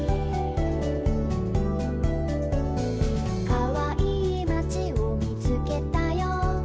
「かわいいまちをみつけたよ」